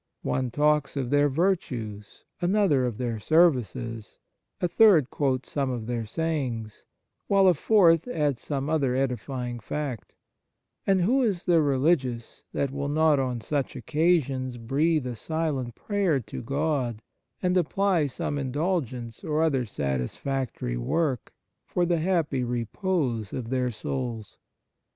One talks of their virtues, another of their services, a third quotes some of their sayings, while a fourth adds some other edifying fact ; and who is the religious that will not on such occasions 35 D 2 Fraternal Charity breathe a silent prayer to God and apply some indulgence or other satisfactory work for the happy repose of their souls